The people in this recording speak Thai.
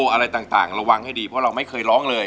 อะไรต่างระวังให้ดีเพราะเราไม่เคยร้องเลย